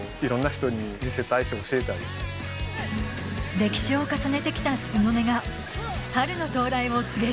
歴史を重ねてきた鈴の音が春の到来を告げる